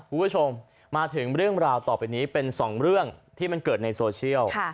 คุณผู้ชมมาถึงเรื่องราวต่อไปนี้เป็นสองเรื่องที่มันเกิดในโซเชียล